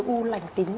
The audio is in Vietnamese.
u lành tính